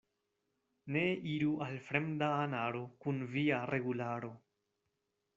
Ne iru al fremda anaro kun via regularo.